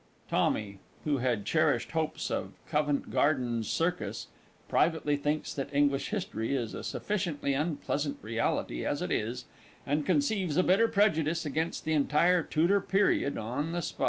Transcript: [TOMMY, _who had cherished hopes of Covent Garden Circus, privately thinks that English History is a sufficiently unpleasant reality as it is, and conceives a bitter prejudice against the entire Tudor Period on the spot_.